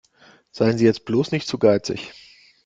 Seien Sie jetzt bloß nicht zu geizig.